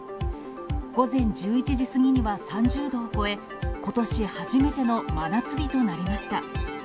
午前１１時過ぎには３０度を超え、ことし初めての真夏日となりました。